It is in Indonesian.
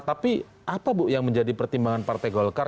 tapi apa bu yang menjadi pertimbangan partai golkar